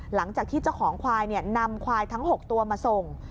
หลังจากที่เจ้าของควายนำควายทั้ง๖ตัวมาส่ง